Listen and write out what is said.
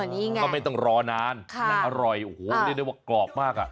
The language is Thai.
เขาไม่ต้องรอนานน่าร้อยโอ้โหนี่ได้ว่ากรอบมาก